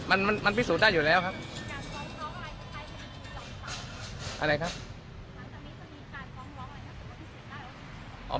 อ๋อมันมันมันพิสูจน์ได้อยู่แล้วครับอะไรครับ